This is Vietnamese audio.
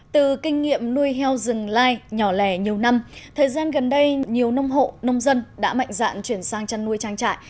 từ kinh nghiệm nuôi heo rừng lai nhỏ lẻ nhiều năm thời gian gần đây nhiều nông hộ nông dân đã mạnh dạn chuyển sang chăn nuôi trang trại